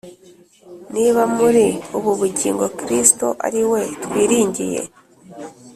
Niba muri ubu bugingo Kristo ari we twiringiye.